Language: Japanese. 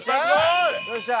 よっしゃ。